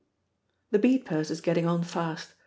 The bead purse is getting on fast.